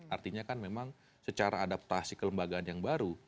artinya kan memang secara adaptasi kelembagaan yang baru